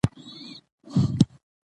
استمراري ماضي د عمل روان حالت ښيي.